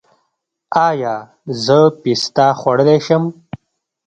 ایا زه پسته خوړلی شم؟